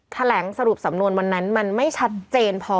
แถลงสรุปสำนวนวันนั้นมันไม่ชัดเจนพอ